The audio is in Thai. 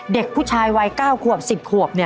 เด็กผู้ชายวัย๙ขวบ๑๐ขวบ